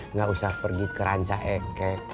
nggak usah pergi keranca ekek